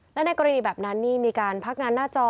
และในกรณีแบบนั้นนี่มีการพักงานหน้าจอ